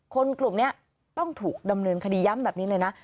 กลุ่มนี้ต้องถูกดำเนินคดีย้ำแบบนี้เลยนะ